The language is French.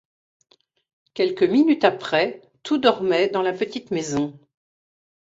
Quelques minutes après, tout dormait dans la petite maison.